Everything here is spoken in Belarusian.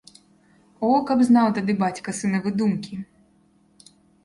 О, каб знаў тады бацька сынавы думкі!